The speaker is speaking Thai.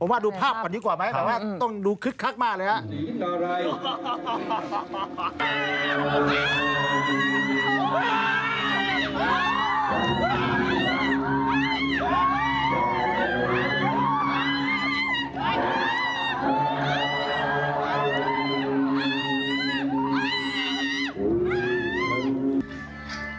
ว่าดูภาพก่อนดีกว่าไหมแต่ว่าต้องดูคึกคักมากเลยครับ